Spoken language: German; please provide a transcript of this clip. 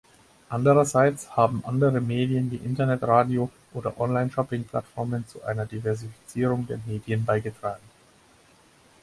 Andererseits haben andere Medien wie Internet-Radio oder Online-Shopping-Plattformen zu einer Diversifizierung der Medien beigetragen.